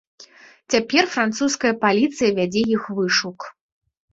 Цяпер французская паліцыя вядзе іх вышук.